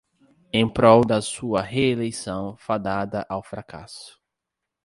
Em prol da sua reeleição fadada ao fracasso